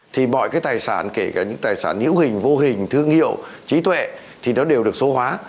thì mọi cái tài sản kể cả những tài sản hữu hình vô hình thương hiệu trí tuệ thì nó đều được số hóa